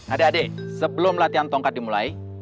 adek adek sebelum latihan tongkat dimulai